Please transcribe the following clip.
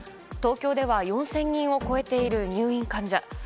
東京では４０００人を超えている入院患者。